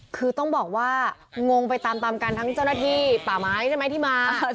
คือต้องบอกว่างงไปตามตามกันทั้งเจ้าหน้าที่ป่าไม้ใช่ไหมที่มา